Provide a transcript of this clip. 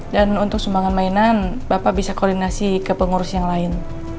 dan untuk sumbangan mainan bapak bisa koordinasi ke pengurus yang lain